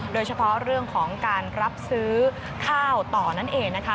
โดยเฉพาะเรื่องของการรับซื้อข้าวต่อนั่นเองนะคะ